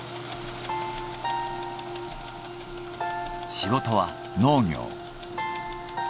仕事は農業。